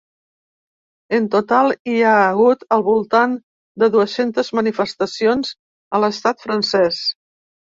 En total, hi ha hagut al voltant de dues-centes manifestacions a l’estat francès.